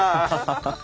ハハハハ。